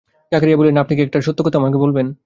জাকারিয়া বললেন, আপনি কি একটা সত্যি কথা আমাকে বলবেন?